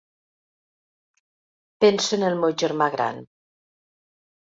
Penso en el meu germà gran.